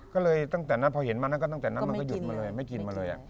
ก็เลยตั้งแต่นั้นพอเห็นมานั่นก็ตั้งแต่นั้นมันก็หยุดมาเลยไม่กินมาเลย